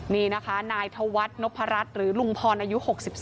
นี่นะคะนายธวัฒนพรัชหรือลุงพรอายุ๖๒